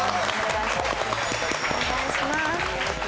お願いします。